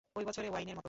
ঐ বছরের ওয়াইনের মত?